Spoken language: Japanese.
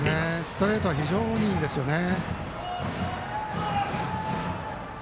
ストレートは非常にいいんですよね。